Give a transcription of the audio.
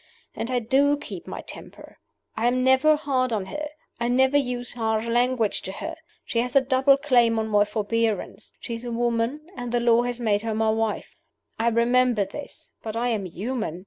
And I do keep my temper. I am never hard on her; I never use harsh language to her. She has a double claim on my forbearance she is a woman, and the law has made her my wife. I remember this; but I am human.